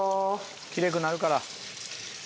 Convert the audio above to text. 奇麗くなるから。